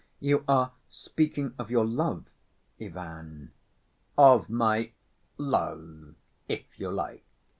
"You are speaking of your love, Ivan?" "Of my love, if you like.